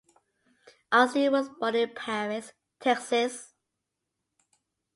Osteen was born in Paris, Texas.